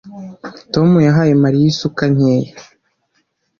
Tom yahaye Mariya isuka nkeya